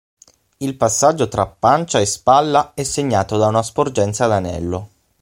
Il passaggio tra pancia e spalla è segnato da una sporgenza ad anello.